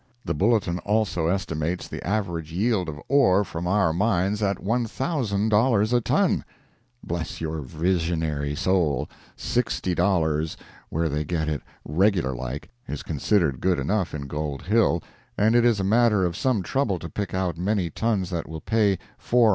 The Bulletin also estimates the average yield of ore from our mines at $1,000 a ton! Bless your visionary soul, sixty dollars—where they get it "regular like"—is considered good enough in Gold Hill, and it is a matter of some trouble to pick out many tons that will pay $400.